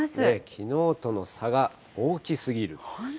きのうとの差が大きすぎると。